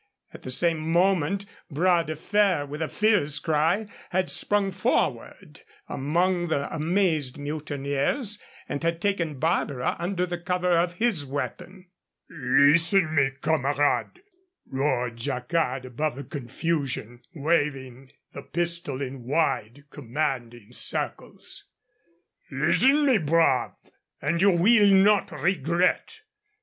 At the same moment Bras de Fer, with a fierce cry, had sprung forward among the amazed mutineers and had taken Barbara under the cover of his weapon. "Listen, mes camarades!" roared Jacquard above the confusion, waving the pistol in wide, commanding circles. "Listen, mes braves, and you will not regret.